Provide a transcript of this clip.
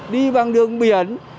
đi bằng đường biển